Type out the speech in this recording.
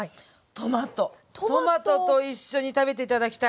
トマトと一緒に食べて頂きたい。